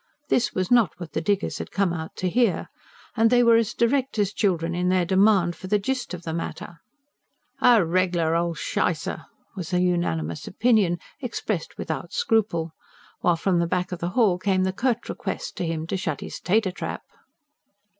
This was not what the diggers had come out to hear. And they were as direct as children in their demand for the gist of the matter. "A reg lar ol' shicer!" was the unanimous opinion, expressed without scruple. While from the back of the hall came the curt request to him to shut his "tater trap."